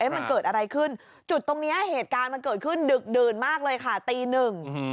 มันเกิดอะไรขึ้นจุดตรงเนี้ยเหตุการณ์มันเกิดขึ้นดึกดื่นมากเลยค่ะตีหนึ่ง